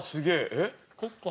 えっ？